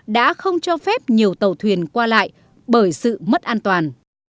đã không cho phép nhiều tàu thuyền qua lại bởi sự mất an toàn